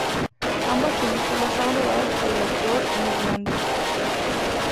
Ambas películas son rodadas por el actor en Irlanda.